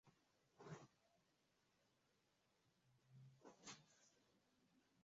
inapatikana katika mikoa mitatu tu ya Kilimanjaro Arusha na Manyara